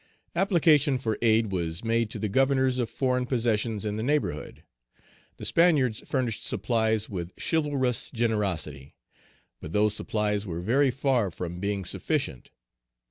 Application for aid was made to the governors of foreign possessions in the neighborhood. The Spaniards furnished supplies with chivalrous generosity; but those supplies were very far from being sufficient.